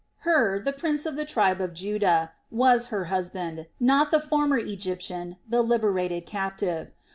Hur, the prince of the tribe of Judah, was her husband, not the former Egyptian, the liberated captive.